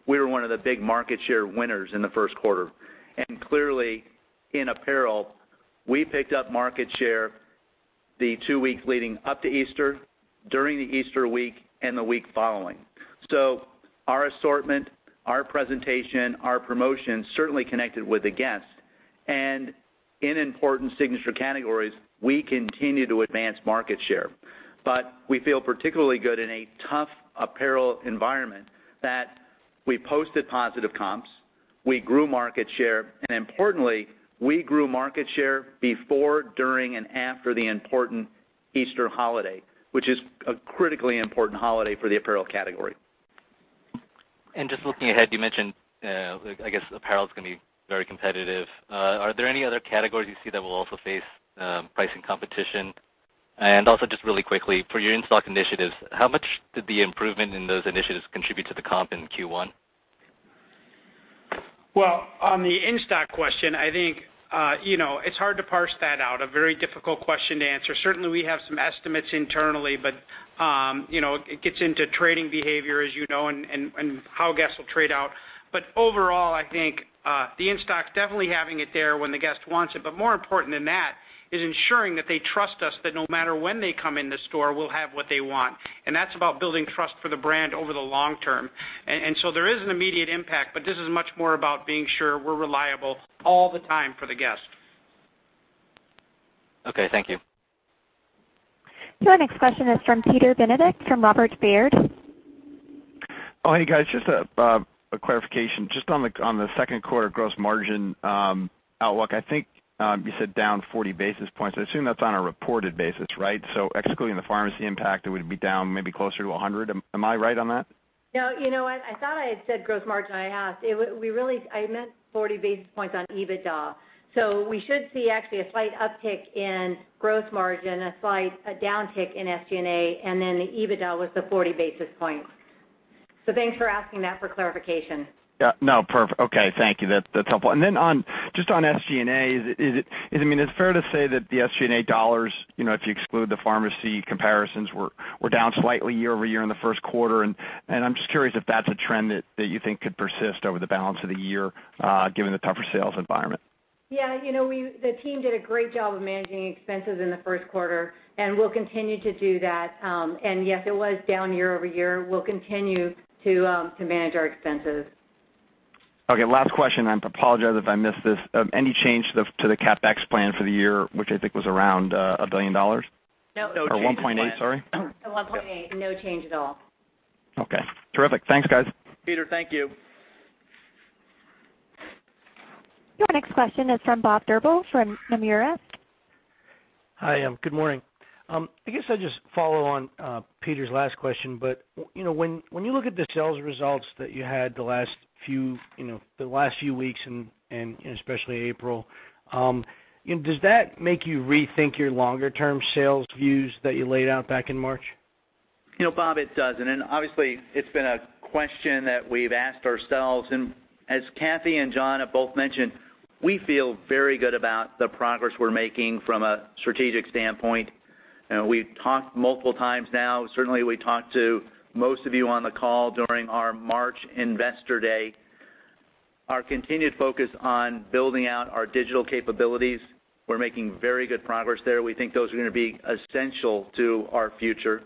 we were one of the big market share winners in the first quarter. Clearly, in apparel, we picked up market share the two weeks leading up to Easter, during the Easter week, and the week following. Our assortment, our presentation, our promotion certainly connected with the guests. In important signature categories, we continue to advance market share. We feel particularly good in a tough apparel environment that we posted positive comps, we grew market share, importantly, we grew market share before, during, and after the important Easter holiday, which is a critically important holiday for the apparel category. Just looking ahead, you mentioned, I guess, apparel is going to be very competitive. Are there any other categories you see that will also face pricing competition? Also just really quickly, for your in-stock initiatives, how much did the improvement in those initiatives contribute to the comp in Q1? Well, on the in-stock question, I think, it's hard to parse that out. A very difficult question to answer. Certainly, we have some estimates internally, it gets into trading behavior, as you know, and how guests will trade out. Overall, I think the in-stock, definitely having it there when the guest wants it. More important than that, is ensuring that they trust us that no matter when they come in the store, we'll have what they want. That's about building trust for the brand over the long term. There is an immediate impact, this is much more about being sure we're reliable all the time for the guest. Okay. Thank you. Your next question is from Peter Benedict from Robert Baird. Hey, guys. Just a clarification. On the second quarter gross margin outlook, I think you said down 40 basis points. I assume that's on a reported basis, right? Excluding the pharmacy impact, it would be down maybe closer to 100. Am I right on that? No. You know what? I thought I had said gross margin. I meant 40 basis points on EBITDA. We should see actually a slight uptick in gross margin, a slight downtick in SG&A, and then the EBITDA was the 40 basis points. Thanks for asking that for clarification. Yeah. No, perfect. Okay. Thank you. That's helpful. Then just on SG&A, is it fair to say that the SG&A dollars, if you exclude the pharmacy comparisons, were down slightly year-over-year in the first quarter? I'm just curious if that's a trend that you think could persist over the balance of the year, given the tougher sales environment. Yeah. The team did a great job of managing expenses in the first quarter, and we'll continue to do that. Yes, it was down year-over-year. We'll continue to manage our expenses. Okay. Last question. I apologize if I missed this. Any change to the CapEx plan for the year, which I think was around $1 billion? No. No change in plan. 1.8, sorry. 1.8. No change at all. Okay. Terrific. Thanks, guys. Peter, thank you. Your next question is from Bob Drbul from Nomura. Hi. Good morning. I guess I'll just follow on Peter's last question. When you look at the sales results that you had the last few weeks and especially April, does that make you rethink your longer-term sales views that you laid out back in March? Bob, it doesn't. Obviously, it's been a question that we've asked ourselves. As Cathy and John have both mentioned, we feel very good about the progress we're making from a strategic standpoint. We've talked multiple times now. Certainly, we talked to most of you on the call during our March investor day. Our continued focus on building out our digital capabilities, we're making very good progress there. We think those are going to be essential to our future.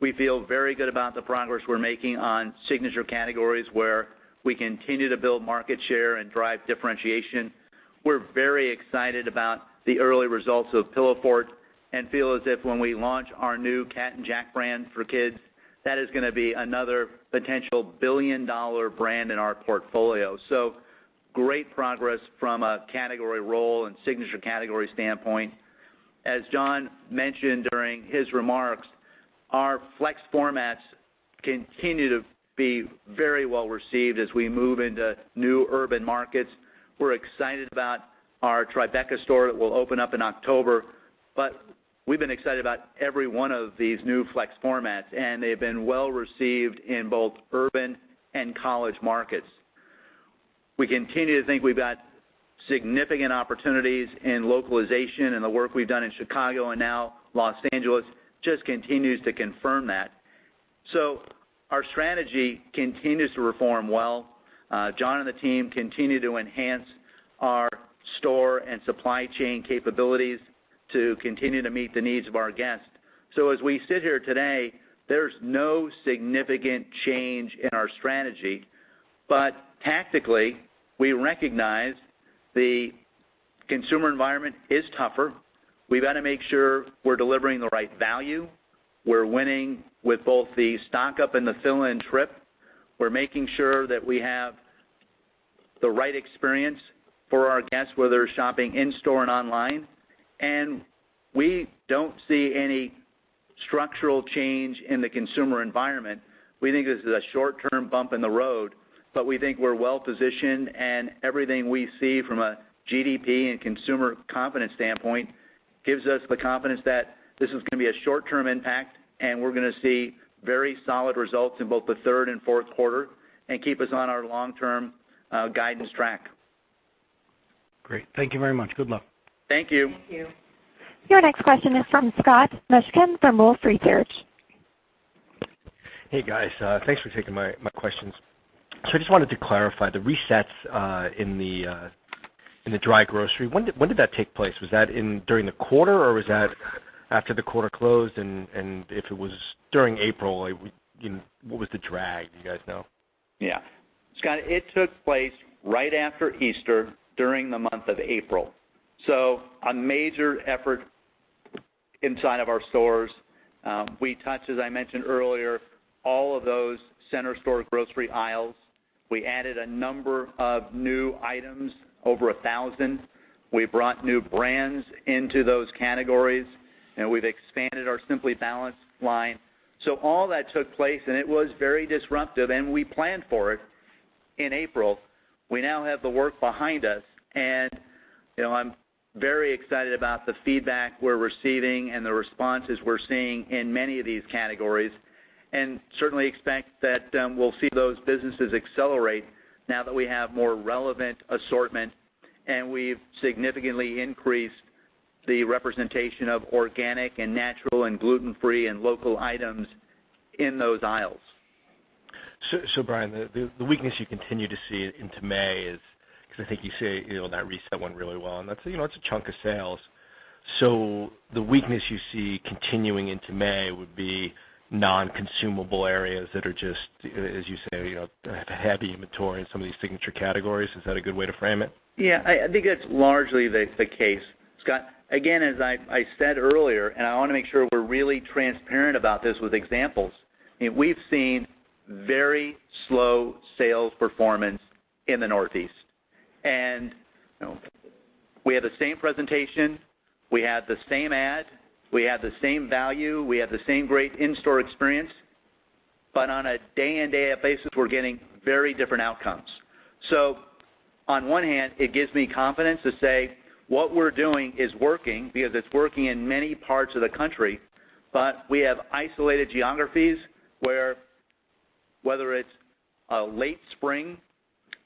We feel very good about the progress we're making on signature categories where we continue to build market share and drive differentiation. We're very excited about the early results of Pillowfort and feel as if when we launch our new Cat & Jack brand for kids, that is going to be another potential billion-dollar brand in our portfolio. Great progress from a category role and signature category standpoint. As John mentioned during his remarks, our flex formats continue to be very well-received as we move into new urban markets. We're excited about our Tribeca store that will open up in October. We've been excited about every one of these new flex formats, and they've been well-received in both urban and college markets. We continue to think we've got significant opportunities in localization, and the work we've done in Chicago and now Los Angeles just continues to confirm that. Our strategy continues to perform well. John and the team continue to enhance our store and supply chain capabilities to continue to meet the needs of our guests. As we sit here today, there's no significant change in our strategy. Tactically, we recognize the consumer environment is tougher. We've got to make sure we're delivering the right value. We're winning with both the stock-up and the fill-in trip. We're making sure that we have the right experience for our guests, whether they're shopping in-store and online. We don't see any structural change in the consumer environment. We think this is a short-term bump in the road, but we think we're well-positioned and everything we see from a GDP and consumer confidence standpoint gives us the confidence that this is going to be a short-term impact, and we're going to see very solid results in both the third and fourth quarter and keep us on our long-term guidance track. Great. Thank you very much. Good luck. Thank you. Thank you. Your next question is from Scott Mushkin from Wolfe Research. Hey, guys. Thanks for taking my questions. I just wanted to clarify, the resets in the dry grocery, when did that take place? Was that during the quarter, or was that after the quarter closed? If it was during April, what was the drag, do you guys know? Scott, it took place right after Easter during the month of April. A major effort inside of our stores. We touched, as I mentioned earlier, all of those center store grocery aisles. We added a number of new items, over 1,000. We brought new brands into those categories. We've expanded our Simply Balanced line. All that took place, and it was very disruptive, and we planned for it in April. We now have the work behind us, and I'm very excited about the feedback we're receiving and the responses we're seeing in many of these categories, and certainly expect that we'll see those businesses accelerate now that we have more relevant assortment and we've significantly increased the representation of organic and natural and gluten-free and local items in those aisles. Brian, the weakness you continue to see into May is, because I think you say that reset went really well, and that's a chunk of sales. The weakness you see continuing into May would be non-consumable areas that are just, as you say, they have heavy inventory in some of these signature categories. Is that a good way to frame it? I think that's largely the case, Scott. As I said earlier, I want to make sure we're really transparent about this with examples, we've seen very slow sales performance in the Northeast. We have the same presentation, we have the same ad, we have the same value, we have the same great in-store experience. On a day in, day out basis, we're getting very different outcomes. On one hand, it gives me confidence to say what we're doing is working because it's working in many parts of the country. We have isolated geographies where whether it's a late spring,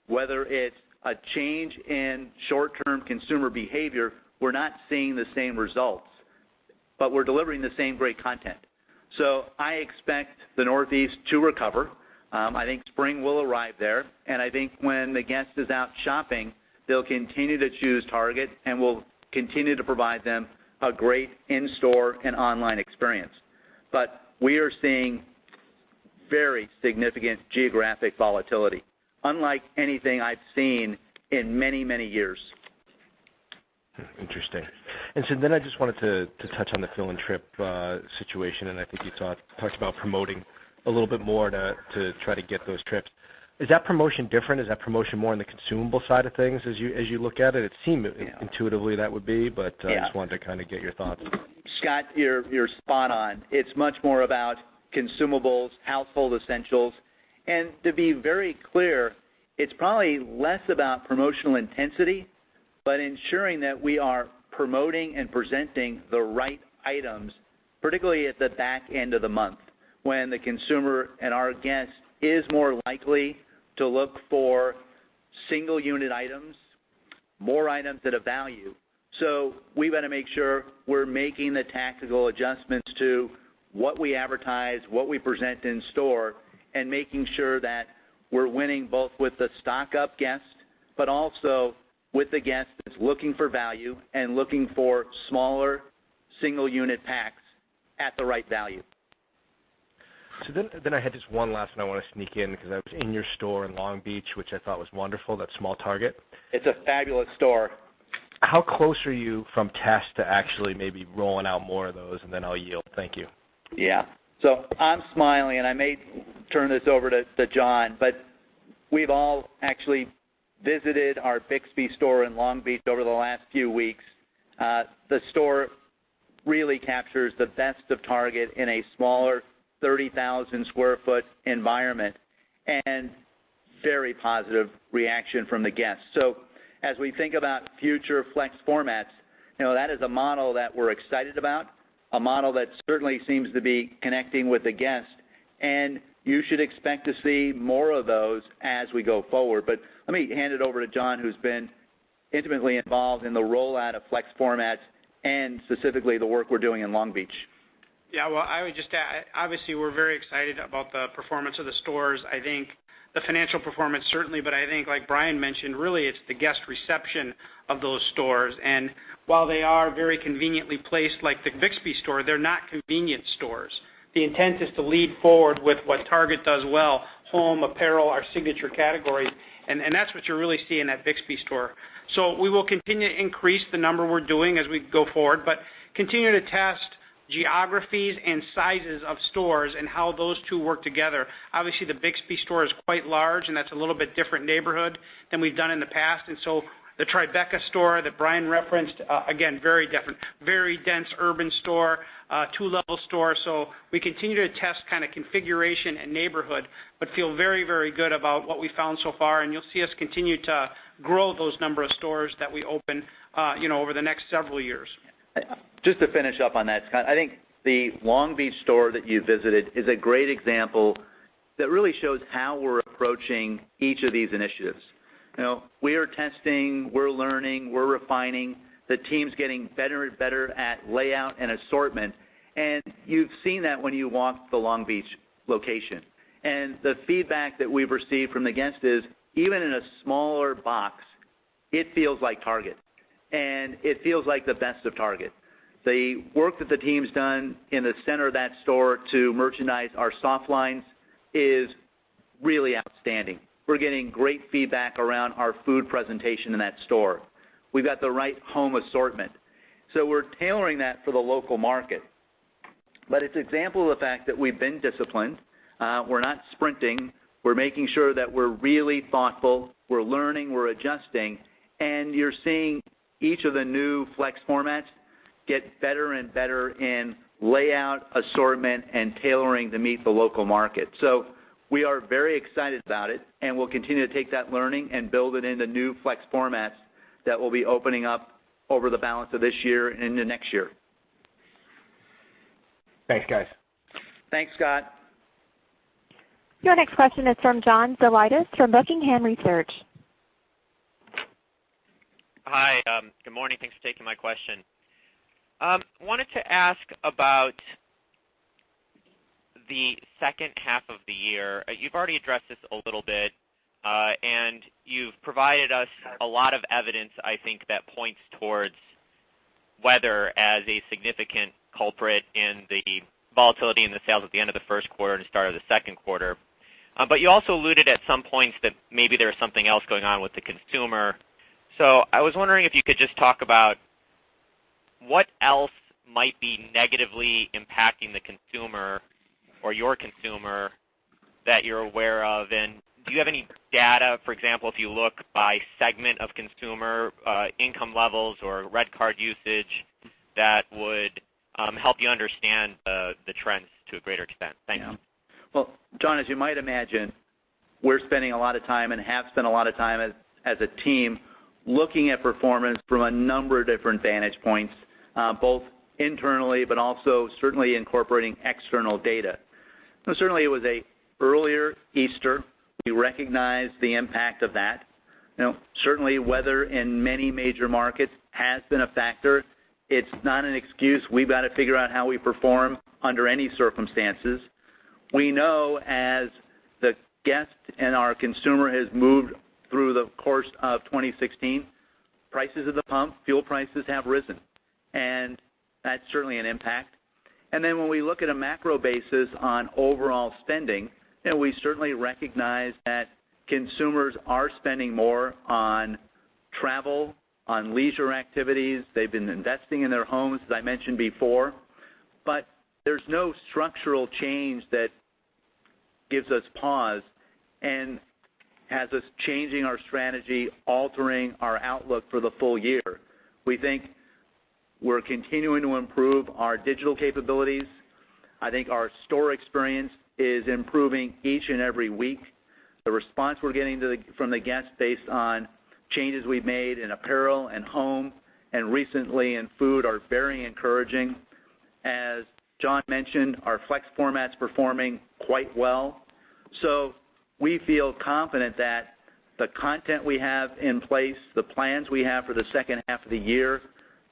whether it's a change in short-term consumer behavior, we're not seeing the same results, but we're delivering the same great content. I expect the Northeast to recover. I think spring will arrive there, and I think when the guest is out shopping, they'll continue to choose Target, and we'll continue to provide them a great in-store and online experience. We are seeing very significant geographic volatility, unlike anything I've seen in many, many years. Interesting. I just wanted to touch on the fill-in trip situation, and I think you talked about promoting a little bit more to try to get those trips. Is that promotion different? Is that promotion more on the consumable side of things as you look at it? Yeah Intuitively that would be. Yeah I just wanted to get your thoughts. Scott, you're spot on. It's much more about consumables, household essentials. To be very clear, it's probably less about promotional intensity, but ensuring that we are promoting and presenting the right items, particularly at the back end of the month when the consumer and our guest is more likely to look for single-unit items, more items that have value. We better make sure we're making the tactical adjustments to what we advertise, what we present in store, and making sure that we're winning both with the stock-up guest, but also with the guest that's looking for value and looking for smaller single-unit packs at the right value. I had just one last one I want to sneak in because I was in your store in Long Beach, which I thought was wonderful, that small Target. It's a fabulous store. How close are you from test to actually maybe rolling out more of those? Then I'll yield. Thank you. Yeah. I'm smiling, I may turn this over to John, we've all actually visited our Bixby store in Long Beach over the last few weeks. The store really captures the best of Target in a smaller 30,000 sq ft environment, very positive reaction from the guests. As we think about future flex formats, that is a model that we're excited about, a model that certainly seems to be connecting with the guest, you should expect to see more of those as we go forward. Let me hand it over to John, who's been intimately involved in the rollout of flex formats and specifically the work we're doing in Long Beach. Yeah. Well, I would just add, obviously, we're very excited about the performance of the stores. I think the financial performance, certainly, I think like Brian mentioned, really, it's the guest reception of those stores. While they are very conveniently placed, like the Bixby store, they're not convenience stores. The intent is to lead forward with what Target does well, home, apparel, our signature categories. That's what you're really seeing at Bixby store. We will continue to increase the number we're doing as we go forward, continue to test geographies and sizes of stores and how those two work together. Obviously, the Bixby store is quite large, that's a little bit different neighborhood than we've done in the past. The Tribeca store that Brian referenced, again, very different, very dense urban store, two-level store. We continue to test configuration and neighborhood, feel very, very good about what we've found so far. You'll see us continue to grow those number of stores that we open over the next several years. Just to finish up on that, Scott, I think the Long Beach store that you visited is a great example that really shows how we're approaching each of these initiatives. We are testing, we're learning, we're refining. The team's getting better and better at layout and assortment, and you've seen that when you walk the Long Beach location. The feedback that we've received from the guests is even in a smaller box, it feels like Target, and it feels like the best of Target. The work that the team's done in the center of that store to merchandise our soft lines is really outstanding. We're getting great feedback around our food presentation in that store. We've got the right home assortment. We're tailoring that for the local market. It's an example of the fact that we've been disciplined. We're not sprinting. We're making sure that we're really thoughtful. We're learning, we're adjusting, and you're seeing each of the new flex formats get better and better in layout, assortment, and tailoring to meet the local market. We are very excited about it, and we'll continue to take that learning and build it into new flex formats that will be opening up over the balance of this year into next year. Thanks, guys. Thanks, Scott. Your next question is from John Zolidis from Buckingham Research. Hi. Good morning. Thanks for taking my question. Wanted to ask about the second half of the year. You've already addressed this a little bit. You've provided us a lot of evidence, I think, that points towards weather as a significant culprit in the volatility in the sales at the end of the first quarter and start of the second quarter. You also alluded at some points that maybe there was something else going on with the consumer. I was wondering if you could just talk about what else might be negatively impacting the consumer or your consumer that you're aware of, and do you have any data, for example, if you look by segment of consumer, income levels or RedCard usage, that would help you understand the trends to a greater extent? Thanks. Well, John, as you might imagine, we're spending a lot of time, and have spent a lot of time as a team, looking at performance from a number of different vantage points, both internally, but also certainly incorporating external data. Certainly it was an earlier Easter. We recognize the impact of that. Certainly weather in many major markets has been a factor. It's not an excuse. We've got to figure out how we perform under any circumstances. We know as the guest and our consumer has moved through the course of 2016, prices at the pump, fuel prices have risen, and that's certainly an impact. When we look at a macro basis on overall spending, we certainly recognize that consumers are spending more on travel, on leisure activities. They've been investing in their homes, as I mentioned before. There's no structural change that gives us pause and has us changing our strategy, altering our outlook for the full year. We think we're continuing to improve our digital capabilities. I think our store experience is improving each and every week. The response we're getting from the guests based on changes we've made in apparel and home, and recently in food, are very encouraging. As John mentioned, our flex format's performing quite well. We feel confident that the content we have in place, the plans we have for the second half of the year,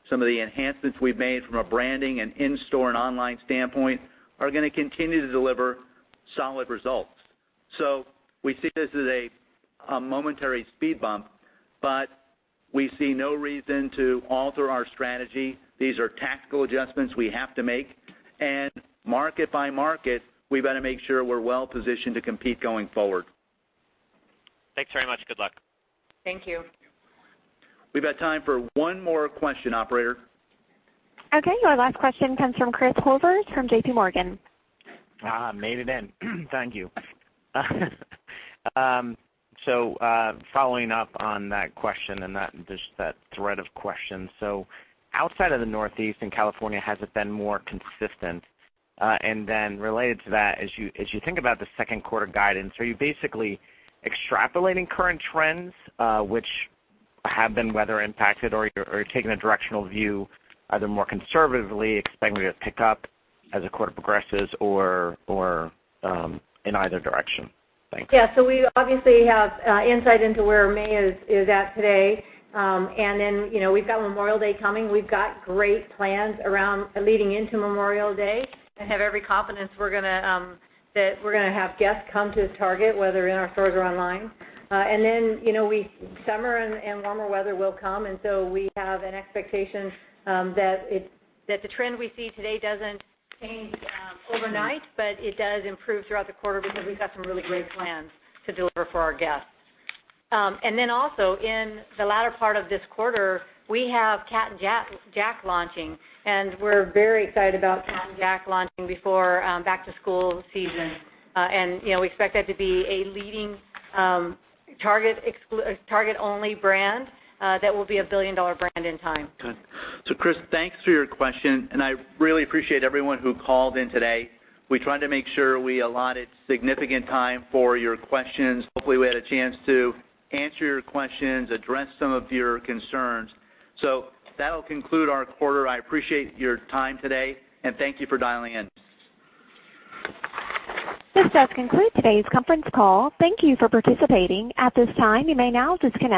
some of the enhancements we've made from a branding and in-store and online standpoint, are going to continue to deliver solid results. We see this as a momentary speed bump, but we see no reason to alter our strategy. These are tactical adjustments we have to make. Market by market, we better make sure we're well positioned to compete going forward. Thanks very much. Good luck. Thank you. We've got time for one more question, operator. Okay, our last question comes from Chris Horvers from JPMorgan. Made it in. Thank you. Following up on that question and just that thread of questions. Outside of the Northeast and California, has it been more consistent? Related to that, as you think about the second quarter guidance, are you basically extrapolating current trends, which have been weather impacted, or you're taking a directional view, either more conservatively expecting it to pick up as the quarter progresses or in either direction? Thanks. We obviously have insight into where May is at today. We've got Memorial Day coming. We've got great plans leading into Memorial Day and have every confidence that we're gonna have guests come to Target, whether in our stores or online. Summer and warmer weather will come, we have an expectation that the trend we see today doesn't change overnight, but it does improve throughout the quarter because we've got some really great plans to deliver for our guests. Also, in the latter part of this quarter, we have Cat & Jack launching, and we're very excited about Cat & Jack launching before back-to-school season. We expect that to be a leading Target-only brand that will be a billion-dollar brand in time. Good. Chris, thanks for your question. I really appreciate everyone who called in today. We tried to make sure we allotted significant time for your questions. Hopefully, we had a chance to answer your questions, address some of your concerns. That'll conclude our quarter. I appreciate your time today, and thank you for dialing in. This does conclude today's conference call. Thank you for participating. At this time, you may now disconnect.